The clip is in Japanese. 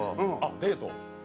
デート？